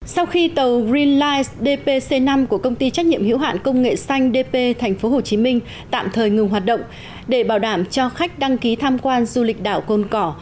sau khi tàu greenlight dpc năm của công ty trách nhiệm hữu hạn công nghệ xanh dp tp hcm tạm thời ngừng hoạt động để bảo đảm cho khách đăng ký tham quan du lịch đảo côn cỏ